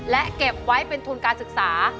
และเก็บไว้เป็นทุนการศึกษา